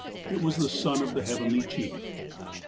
It was the son of the Heavenly Chief.